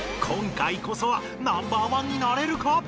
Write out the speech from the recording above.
今回こそはナンバーワンになれるか！？